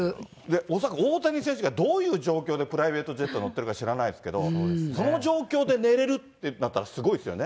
恐らく大谷選手がどういう状況でプライベートジェット乗ってるか知らないですけど、その状況で寝れるってなったら、すごいですよね。